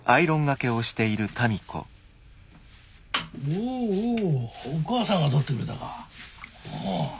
おおお母さんが撮ってくれたか。